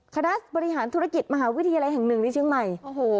คณะบริหารธุรกิจมหาวิทยาลัยแห่งหนึ่งในเชียงใหม่โอ้โห